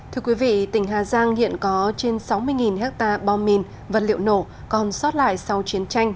thưa quý vị tỉnh hà giang hiện có trên sáu mươi hectare bom mìn vật liệu nổ còn sót lại sau chiến tranh